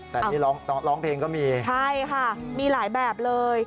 แต่นี่ร้องเพลงก็มีใช่ค่ะมีหลายแบบเลย